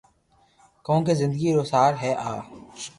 ڪونڪھ زندگي رو سار ھي آ